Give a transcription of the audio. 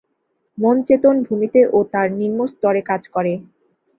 মন চেতন-ভূমিতে ও তার নিম্নস্তরে কাজ করে।